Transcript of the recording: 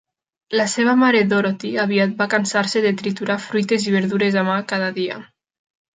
La seva mare Dorothy aviat va cansar-se de triturar fruites i verdures a mà cada dia.